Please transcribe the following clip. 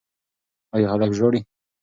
ایا هلک ژاړي؟